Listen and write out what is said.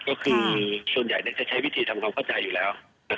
ก็คือส่วนใหญ่จะใช้วิธีทำความเข้าใจอยู่แล้ว